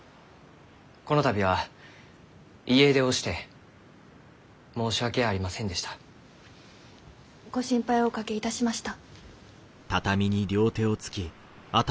この度は家出をして申し訳ありませんでした。ご心配をおかけいたしました。